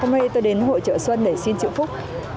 hôm nay tôi đến hội chợ xuân để xin chữ phúc